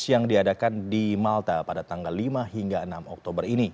yang diadakan di malta pada tanggal lima hingga enam oktober ini